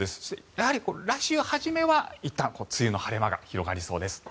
やはり来週初めはいったん梅雨の晴れ間が広がりそうです。